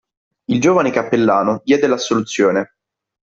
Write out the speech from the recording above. Il giovane cappellano diede l'assoluzione.